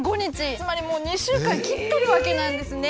つまりもう２週間切ってるわけなんですね。